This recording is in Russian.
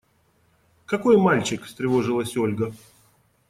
– Какой мальчик? – встревожилась Ольга.